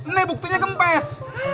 nih buktinya kempes